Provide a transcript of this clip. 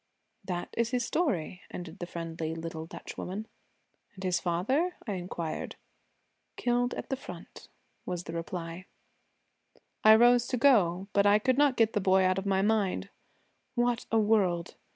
'That is his story,' ended the friendly little Dutch woman. 'And his father?' I inquired. 'Killed at the front,' was the reply. I rose to go, but I could not get the boy out of my mind. What a world!